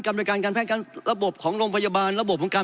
บริการการแพทย์การระบบของโรงพยาบาลระบบของการ